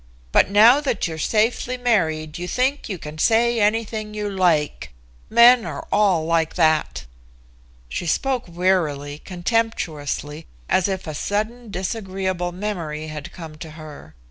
But now that you're safely married you think you can say anything you like. Men are all like that." She spoke wearily, contemptuously, as if a sudden disagreeable memory had come to her.